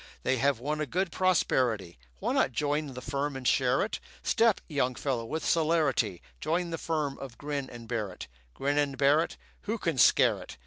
They have won a good prosperity; Why not join the firm and share it? Step, young fellow, with celerity; Join the firm of Grin and Barrett. Grin and Barrett, Who can scare it?